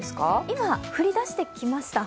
今、降り出してきました。